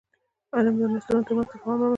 علم د نسلونو ترمنځ تفاهم رامنځته کوي.